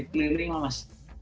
jatuh keliling mas